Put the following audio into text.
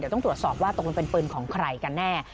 เดี๋ยวต้องตรวจสอบว่าตรวจมันเป็นปืนของใครกันแน่